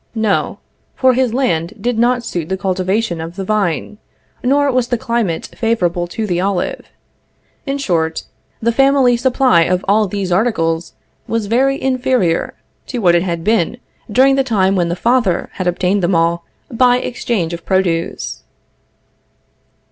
No, for his land did not suit the cultivation of the vine; nor was the climate favorable to the olive. In short, the family supply of all these articles was very inferior to what it had been during the time when the father had obtained them all by exchange of produce.